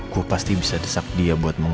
beberapa kali eu violent